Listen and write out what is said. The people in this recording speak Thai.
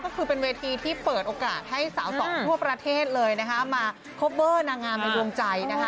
ก็คือเป็นเวทีที่เปิดโอกาสให้สาวสองทั่วประเทศเลยนะคะมาคอปเบอร์นางงามในดวงใจนะคะ